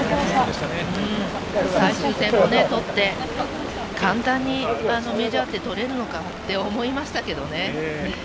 最終戦も取って、簡単にメジャーって取れるのか？って思いましたけどね。